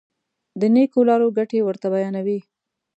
د نېکو لارو ګټې ورته بیانوي.